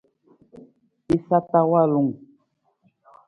Jasa ta walung.